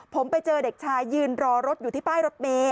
ผมไปเจอเด็กชายยืนรอรถอยู่ที่ป้ายรถเมย์